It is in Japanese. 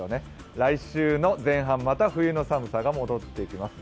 来週の前半、また冬の寒さが戻ってきます。